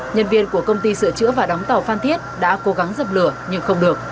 nhân viên của công ty sửa chữa và đóng tàu phan thiết đã cố gắng dập lửa nhưng không được